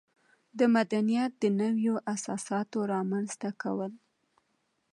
د مدنیت د نویو اساساتو رامنځته کول.